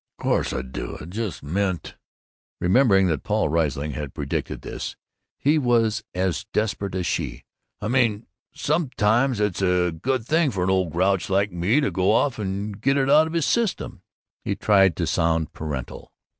"Of course I do! I just meant " Remembering that Paul Riesling had predicted this, he was as desperate as she. "I mean, sometimes it's a good thing for an old grouch like me to go off and get it out of his system." He tried to sound paternal.